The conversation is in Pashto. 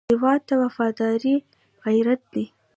هېواد ته وفاداري غیرت دی